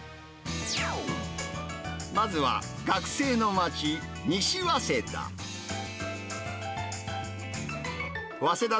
まずは学生の街、西早稲田。